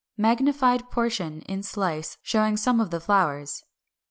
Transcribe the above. Magnified portion, a slice, showing some of the flowers.